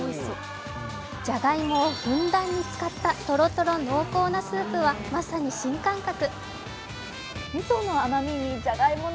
じゃがいもをふんだんに使ったとろとろ濃厚なスープはまさに新感覚。